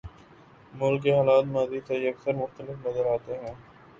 ملک کے حالات ماضی سے یکسر مختلف نظر آتے ہیں۔